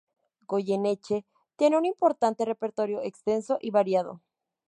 Goyeneche tenía un importante repertorio, extenso y variado.